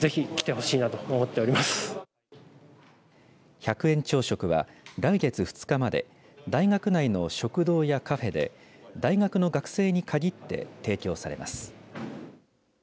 １００円朝食は来月２日まで大学内の食堂やカフェで大学の学生に限って提供されます。